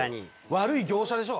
悪い業者でしょう。